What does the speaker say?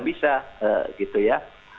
bisa gitu ya